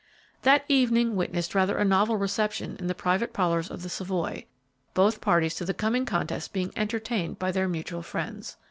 That evening witnessed rather a novel reception in the private parlors of the Savoy; both parties to the coming contest being entertained by their mutual friends.